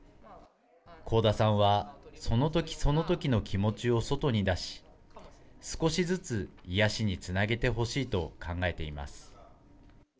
幸田さんはそのときそのときの気持ちを外に出し、少しずつ癒やしにつなげてほしいと考えています。